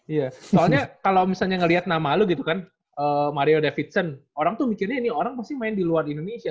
iya soalnya kalau misalnya ngelihat nama lu gitu kan mario davidson orang tuh mikirnya ini orang pasti main di luar indonesia